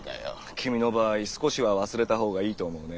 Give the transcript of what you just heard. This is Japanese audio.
君の場合少しは忘れたほうがいいと思うね。